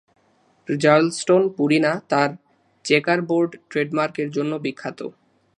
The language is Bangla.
র্যালস্টোন পুরিনা তার "চেকারবোর্ড" ট্রেডমার্কের জন্য বিখ্যাত।